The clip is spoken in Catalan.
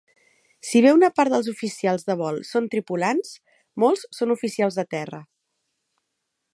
Si bé una part dels oficials de vol són tripulants, molts són oficials de terra.